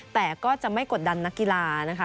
แต่ก็จะไม่กดดันนักกีฬานะคะ